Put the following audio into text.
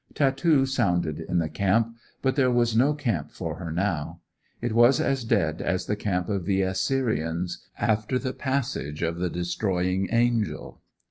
Tattoo sounded in the camp; but there was no camp for her now. It was as dead as the camp of the Assyrians after the passage of the Destroying Angel.